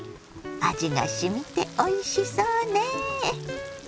味がしみておいしそうね。